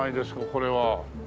これは。